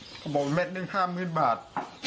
เขาบอกว่าแม่ดหนึ่งห้ามหมื่นบาท